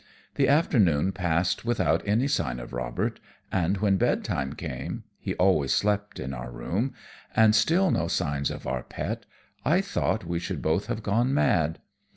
The afternoon passed without any sign of Robert, and when bedtime came (he always slept in our room) and still no signs of our pet, I thought we should both have gone mad.